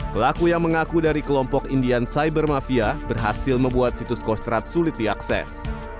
pelaku yang mengaku dari kelompok indian cyber mafia berhasil membuat situs kostrad sulit diakses